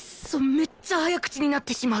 めっちゃ早口になってしまう